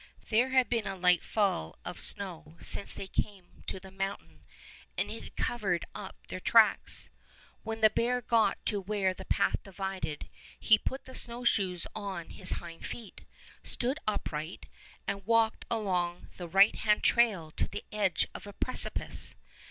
There had been a light fall of snow since they came to the mountain, and it had covered up their tracks. When the bear got to where the path divided he put the snowshoes on his hind feet, stood upright, and walked along the right hand trail to the edge of a precipice.